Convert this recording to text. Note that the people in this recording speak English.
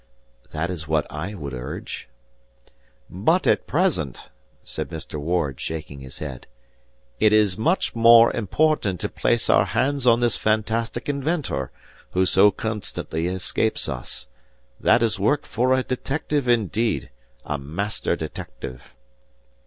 "That is what I would urge." "But at present," said Mr. Ward, shaking his head, "it is much more important to place our hands on this fantastic inventor, who so constantly escapes us. That is work for a detective, indeed; a master detective!"